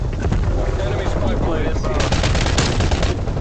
- কি করেছে?